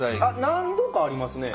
何度かありますね。